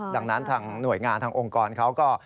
ดังนั้นทางหน่วยงานทางองค์กรเขาก็